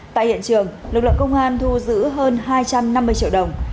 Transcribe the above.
tại hiện trường lực lượng công an thu giữ hơn hai trăm năm mươi triệu đồng